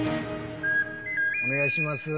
お願いします。